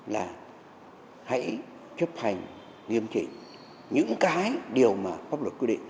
là hãy chấp hành nghiêm chỉnh những cái điều mà pháp luật quy định